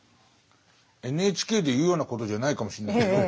ＮＨＫで言うようなことじゃないかもしんないんだけど。